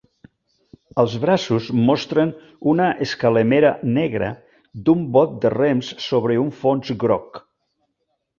Els braços mostren una escalemera negra d'un bot de rems sobre un fons groc.